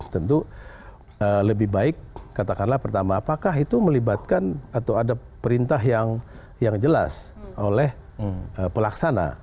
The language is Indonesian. tentu lebih baik katakanlah pertama apakah itu melibatkan atau ada perintah yang jelas oleh pelaksana